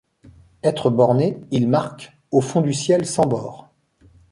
Êtres bornés, il marque, au fond du ciel sans bord